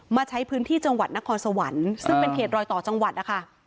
มาใช้พื้นที่จังหวัดนครสวรรค์ซึ่งเป็นเขตรอยต่อจังหวัดนะคะ